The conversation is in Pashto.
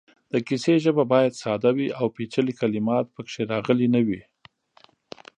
د کیسې ژبه باید ساده وي او پېچلې کلمات پکې راغلې نه وي.